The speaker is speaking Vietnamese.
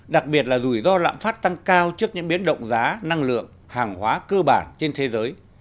đặc biệt là rủi ro lạm phát tăng cao trước những biến động giá năng lượng hàng hóa cơ bản trên thế giới